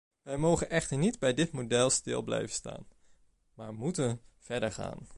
Wij mogen echter niet bij dit model stil blijven staan, maar moeten verder gaan.